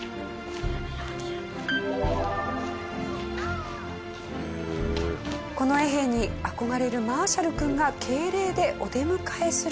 近衛兵に憧れるマーシャル君が敬礼でお出迎えすると。